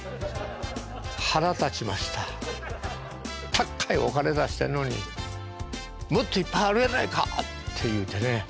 高いお金出してんのにもっといっぱいあるやないかって言うてね。